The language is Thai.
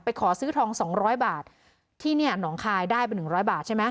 ขอซื้อทองสองร้อยบาทที่เนี่ยหนองคายได้ไปหนึ่งร้อยบาทใช่ไหม